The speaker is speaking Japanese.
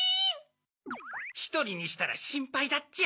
ひとりにしたらしんぱいだっちゃ。